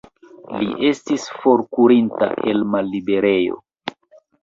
Li estis forkurinta el malliberejo.